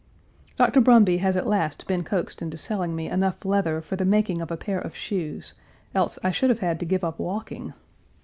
Dr. Brumby has at last been coaxed into selling me enough leather for the making of a pair of shoes, else I should have had to give up walking.